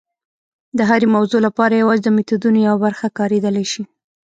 د هرې موضوع لپاره یوازې د میتودونو یوه برخه کارېدلی شي.